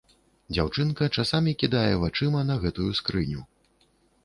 Дзяўчынка часамі кідае вачыма на гэтую скрыню.